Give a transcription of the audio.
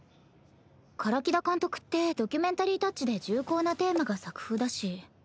唐木田監督ってドキュメンタリータッチで重厚なテーマが作風だし。